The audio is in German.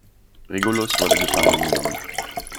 Regulus wurde gefangen genommen.